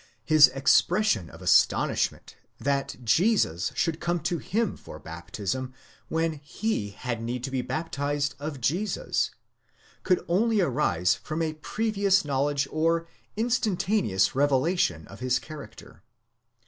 His expression of astonishment that Jesus should come to him for baptism, when he had need to be baptized of Jesus, could only arise from a previous knowledge or instantaneous revelation of his character.